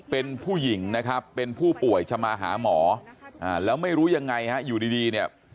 เป็นผู้หญิงนะครับเป็นผู้ป่วยจะมาหาหมอแล้วไม่รู้ยังไงฮะอยู่ดีเนี่ย